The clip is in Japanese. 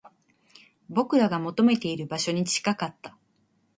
僕らが求めている場所に近かった